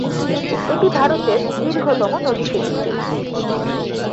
এটি ভারতের দীর্ঘতম নদী সেতু।